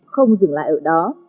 không dừng lại ở đó